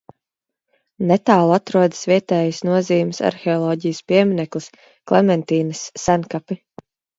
Netālu atrodas vietējas nozīmes arheoloģijas piemineklis – Klementīnes senkapi.